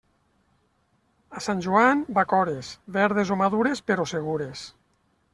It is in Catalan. A Sant Joan, bacores; verdes o madures, però segures.